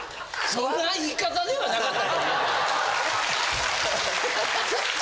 そんな言い方ではなかったと思うけど。